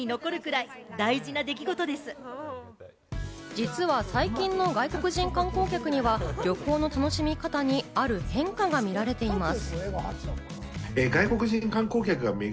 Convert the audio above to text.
実は最近の外国人観光客には旅行の楽しみ方にある変化が見られています。